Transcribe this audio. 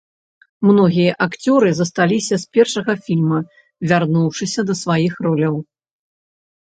Многія акцёры засталіся з першага фільма, вярнуўшыся да сваіх роляў.